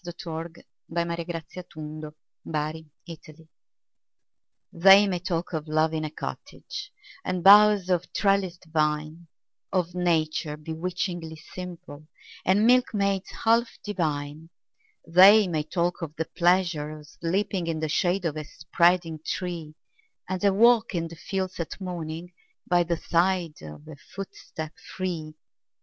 Nathaniel Parker Willis Love in a Cottage THEY may talk of love in a cottage And bowers of trellised vine Of nature bewitchingly simple, And milkmaids half divine; They may talk of the pleasure of sleeping In the shade of a spreading tree, And a walk in the fields at morning, By the side of a footstep free!